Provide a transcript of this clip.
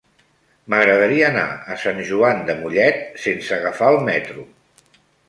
M'agradaria anar a Sant Joan de Mollet sense agafar el metro.